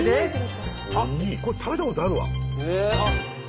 あっこれ食べたことあるわ。